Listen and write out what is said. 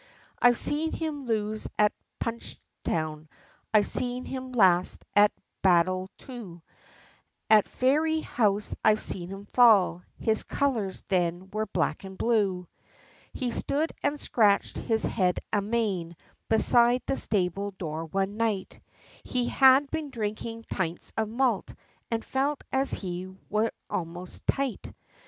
I've seen him lose at Punchestown, I've seen him last, at Baldoyle too, At Fairyhouse I've seen him fall his colours then were black and blue. He stood and scratched his head amain, beside the stable door one night; He had been drinking tints of malt, and felt as he were almost tight.